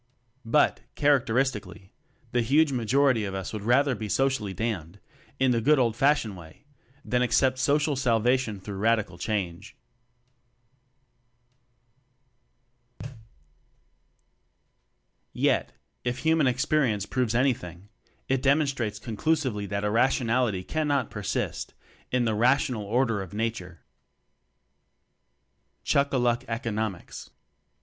But, characteristically, the huge majority of us would rather be socially damned in the good old fashioned way, than accept social salvation through radical change. Yet, if human experience proves any thing, it demonstrates conclusively that irrationality cannot persist in the rational Order of Nature. Chuck a Luck Economics.